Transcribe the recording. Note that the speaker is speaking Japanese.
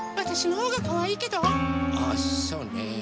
あっそうね。